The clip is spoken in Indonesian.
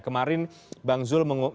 kemarin bang zul